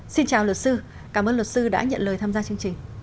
xin chào luật sư cảm ơn luật sư đã nhận lời tham gia chương trình